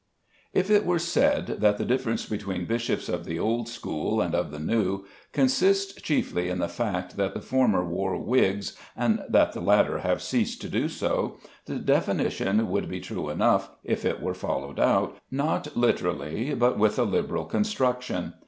If it were said that the difference between bishops of the old school and of the new consists chiefly in the fact that the former wore wigs and that the latter have ceased to do so, the definition would be true enough if it were followed out, not literally, but with a liberal construction.